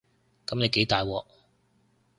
噉你幾大鑊